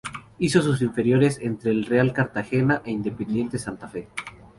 Hizo sus inferiores entre el Real Cartagena e Independiente Santa Fe.